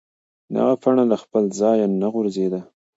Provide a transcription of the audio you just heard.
دغه پاڼه له خپل ځایه نه غورځېده.